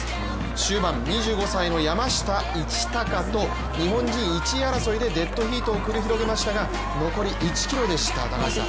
終盤、２５歳の山下一貴と日本人１位争いでデッドヒートを繰り広げましたが残り１ｋｍでした、高橋さん。